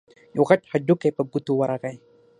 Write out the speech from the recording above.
يو غټ هډوکی په ګوتو ورغی.